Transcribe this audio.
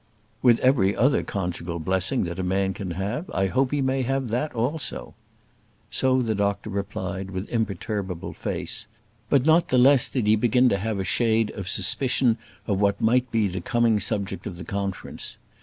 "With every other conjugal blessing that a man can have, I hope he may have that also." So the doctor replied with imperturbable face; but not the less did he begin to have a shade of suspicion of what might be the coming subject of the conference.